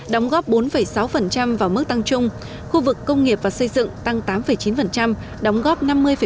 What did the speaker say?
đóng góp bốn sáu vào mức tăng trung khu vực công nghiệp và xây dựng tăng tám chín đóng góp năm mươi bảy